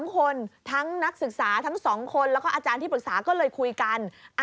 ๓คนทั้งนักศึกษาทั้ง๒คนแล้วก็อาจารย์ที่ปรึกษาก็เลยคุยกัน